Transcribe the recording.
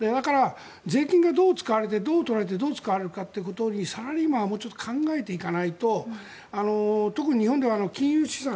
税金がどう使われてどう取られてどう使われるかということにサラリーマンはもうちょっと考えていかないと特に日本では金融資産